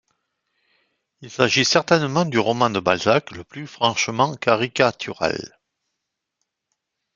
Il s'agit certainement du roman de Balzac le plus franchement caricatural.